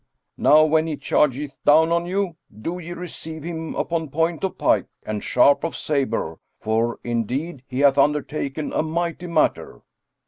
Now when he chargeth down on you, do ye receive him upon point of pike and sharp of sabre; for, indeed, he hath undertaken a mighty matter."